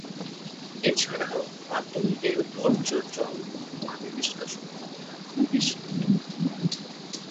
এছাড়াও পাতং-এর বর্জ্য জল পানি নিষ্কাশন ক্ষমতা খুবই সীমিত।